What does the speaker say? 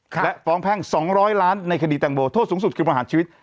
ค่ะและฟ้องแพงสองร้อยล้านในคดีแตงโมโทษสูงสุดคือผลหาชีวิต